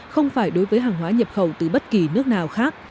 không phải đối với hàng hóa nhập khẩu từ bất kỳ nước nào khác